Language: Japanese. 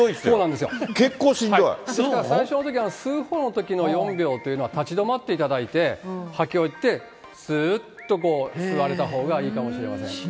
ですから、最初のときは、吸うほうのときの４秒というのは立ち止まっていただいて、吐き終えてすーっと吸われたほうがいいかもしれません。